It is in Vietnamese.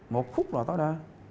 một phút là tối đa